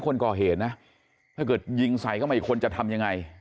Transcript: คนก่อเหตุนะถ้าเกิดยิงใส่เข้ามาอีกคนจะทำยังไง